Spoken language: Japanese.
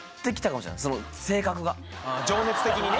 ・情熱的にね。